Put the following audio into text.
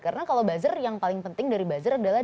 karena kalau buzzer yang paling penting dari buzzer adalah